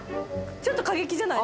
ちょっと過激じゃない？